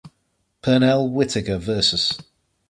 Pernell Whitaker vs.